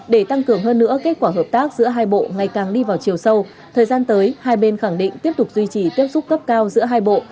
để tăng cường hơn nữa kết quả hợp tác giữa hai bộ ngày càng đi vào chiều sâu thời gian tới hai bên khẳng định tiếp tục duy trì tiếp xúc cấp cao giữa hai bộ